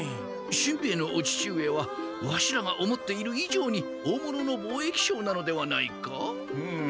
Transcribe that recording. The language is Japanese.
しんべヱのお父上はワシらが思っているいじょうに大物の貿易商なのではないか？